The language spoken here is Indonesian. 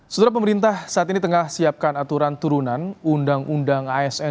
setelah pemerintah saat ini tengah siapkan aturan turunan undang undang asn